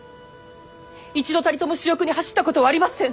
一度たりとも私欲に走ったことはありません。